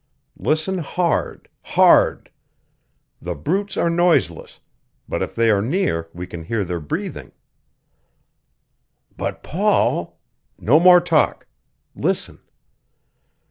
Listen hard hard! The brutes are noiseless, but if they are near we can hear their breathing." "But, Paul " "No more talk. Listen!"